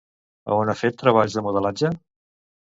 A on ha fet treballs de modelatge?